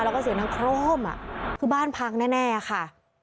แล้วก็เสียงดังโคร่มคือบ้านพังแน่ค่ะ